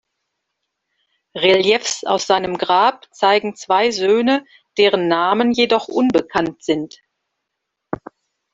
Reliefs aus seinem Grab zeigen zwei Söhne, deren Namen jedoch unbekannt sind.